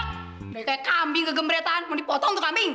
kayak kambing kegembretan mau dipotong tuh kambing